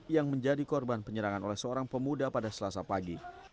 yang menjadi korban penyerangan oleh seorang pemuda pada selasa pagi